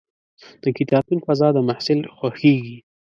د کتابتون فضا د محصل خوښېږي.